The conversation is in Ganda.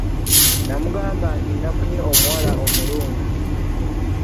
Namugamba nti nafunye omuwala omulungi,